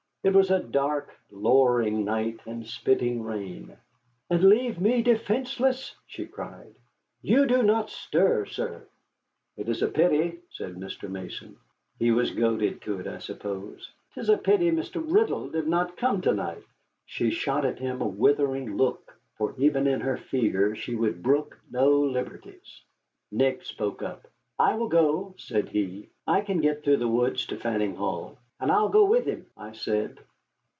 It was a dark, lowering night, and spitting rain. "And leave me defenceless!" she cried. "You do not stir, sir." "It is a pity," said Mr. Mason he was goaded to it, I suppose "'tis a pity Mr. Riddle did not come to night." She shot at him a withering look, for even in her fear she would brook no liberties. Nick spoke up: "I will go," said he; "I can get through the woods to Fanning Hall " "And I will go with him," I said.